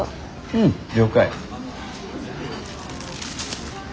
うん了解。